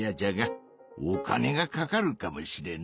お金がかかるかもしれんなあ。